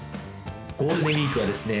ゴールデンウィークはですね